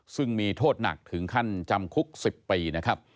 ซึ่งมีโทษหนักถึงขั้นจำคุก๑๐ปีนะครับ